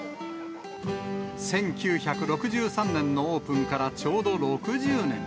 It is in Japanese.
１９６３年のオープンからちょうど６０年。